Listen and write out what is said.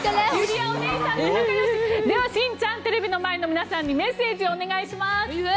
ではしんちゃんテレビの前の皆さんにメッセージをお願いします。